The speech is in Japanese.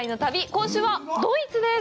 今週はドイツです。